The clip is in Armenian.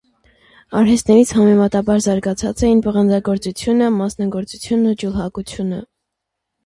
Արհեստներից համեմատաբար զարգացած էին պղնձագործությունը, մանածագործությունն ու ջուլհակությունը։